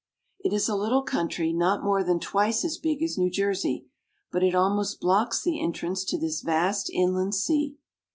It is a little country not more than twice as big as New Jersey, but it almost blocks the entrance to this vast inland sea.